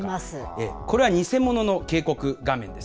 これは偽物の警告画面です。